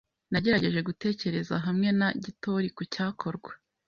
Nagerageje gutekereza hamwe na Gitori ku cyakorwa.